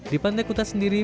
di pantai kuta sendiri